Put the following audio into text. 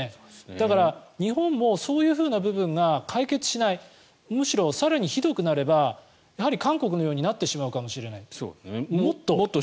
だから、日本もそういう部分が解決しないむしろ更にひどくなれば韓国のようになってしまうかもしれないもっと。